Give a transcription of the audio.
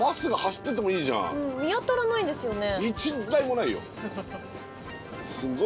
見当たらないですよね。